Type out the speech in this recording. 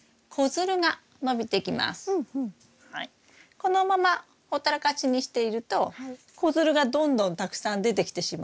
このままほったらかしにしていると子づるがどんどんたくさん出てきてしまいます。